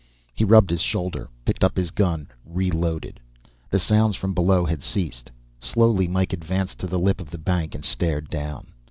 He rubbed his shoulder, picked up his gun, reloaded. The sounds from below had ceased. Slowly, Mike advanced to the lip of the bank and stared down.